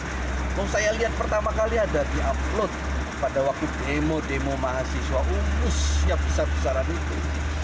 kalau saya lihat pertama kali ada di upload pada waktu demo demo mahasiswa umpus yang besar besaran itu